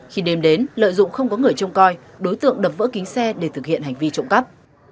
khi đêm đến lợi dụng không có người trông coi đối tượng đập vỡ kính xe để thực hiện hành vi trộm cắp